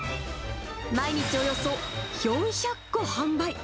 毎日およそ４００個販売。